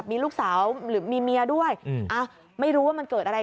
มีลูกสาวหรือมีเมียด้วยไม่รู้ว่ามันเกิดอะไร